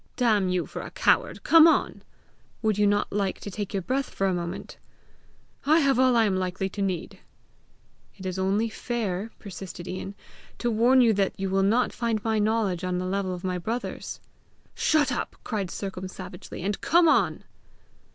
"Damn you for a coward, come on!" "Would you not like to take your breath for a moment?" "I have all I am likely to need." "It is only fair," persisted Ian, "to warn you that you will not find my knowledge on the level of my brother's!" "Shut up," said Sercombe savagely, "and come on."